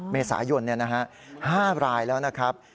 เมษายน๕รายแล้วนะครับ